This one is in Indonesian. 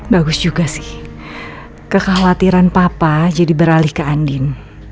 bagus juga sih kekhawatiran papa jadi beralih ke andin